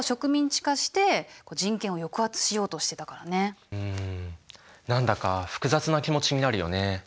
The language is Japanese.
国内ではうん何だか複雑な気持ちになるよね。